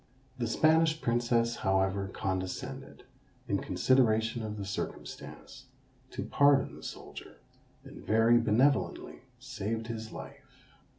The Spanish Princess however condescended, in consideration of the circumstance, to pardon the soldier, and very benevolently saved his life.